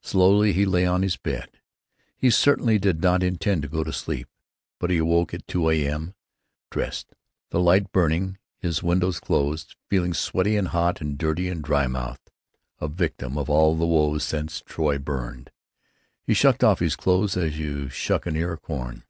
Slowly. He lay on his bed. He certainly did not intend to go to sleep—but he awoke at 2 a.m., dressed, the light burning, his windows closed, feeling sweaty and hot and dirty and dry mouthed—a victim of all the woes since tall Troy burned. He shucked off his clothes as you shuck an ear of corn.